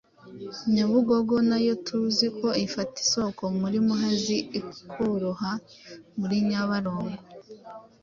Nyabugogo na yo tuzi ko ifata isoko muri Muhazi ikiroha muri Nyabarongo,